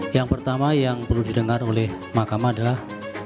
yang pertama yang perlu didengar oleh mahkamah adalah